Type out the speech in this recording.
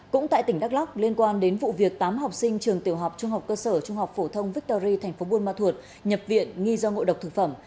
cũng tại tỉnh đắk lóc liên quan đến vụ việc tám học sinh trường tiểu học trung học cơ sở trung học phổ thông victory tp buôn ma thuột nhập viện nghi do ngộ độc thực phẩm